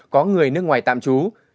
có người nước ngoài tạm trú